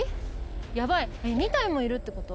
ヤバい２体もいるってこと？